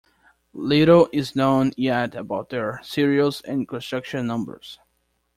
Little is known yet about their serials and construction numbers.